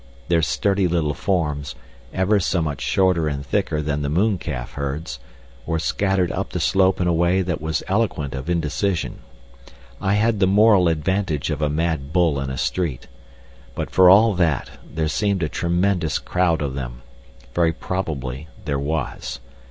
Their sturdy little forms—ever so much shorter and thicker than the mooncalf herds—were scattered up the slope in a way that was eloquent of indecision. I had the moral advantage of a mad bull in a street. But for all that, there seemed a tremendous crowd of them. Very probably there was.